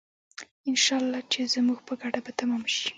انشاالله چې زموږ په ګټه به تمام شي.